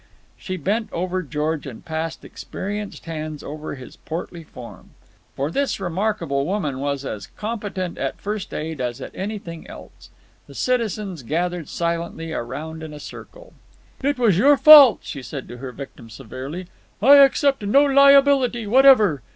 She bent over George and passed experienced hands over his portly form. For this remarkable woman was as competent at first aid as at anything else. The citizens gathered silently round in a circle. "It was your fault," she said to her victim severely. "I accept no liability whatever.